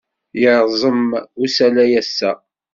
Yerẓem usalay ass-a?